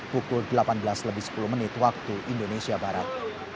pukul delapan belas lebih sepuluh menit waktu indonesia barat